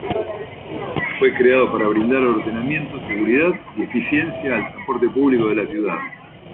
Fue creado para brindar ordenamiento, seguridad y eficiencia al transporte público de la ciudad.